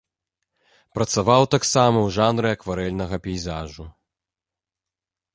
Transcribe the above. Працаваў таксама ў жанры акварэльнага пейзажу.